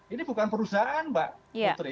ini bukan perusahaan mbak putri